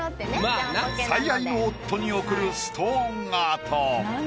最愛の夫に送るストーンアート。